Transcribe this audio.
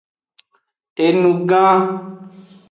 Enu gan.